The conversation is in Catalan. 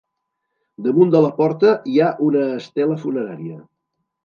Damunt de la porta hi ha una estela funerària.